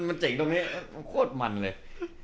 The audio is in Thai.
มันเจ๋งตรงนี้มันโคตรมันเลย